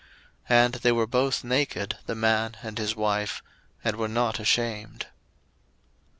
01:002:025 And they were both naked, the man and his wife, and were not ashamed.